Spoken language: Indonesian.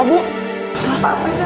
ibu ikhlas bantu kamu